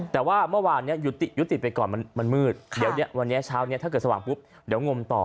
แต่ว่าเมื่อวานนี้ยุติไปก่อนมันมืดเดี๋ยววันนี้เช้านี้ถ้าเกิดสว่างปุ๊บเดี๋ยวงมต่อ